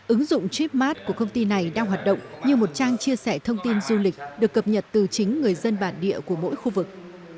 ứng dụng tripmath của công ty này đang hoạt động như một trang chia sẻ thông tin du lịch được cập nhật từ chính người dân bản địa của mỗi khu vực